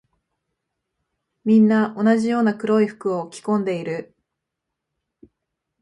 みんな同じような黒い服を着込んでいる。